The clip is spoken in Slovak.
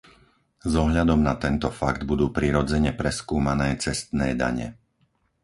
S ohľadom na tento fakt budú prirodzene preskúmané cestné dane.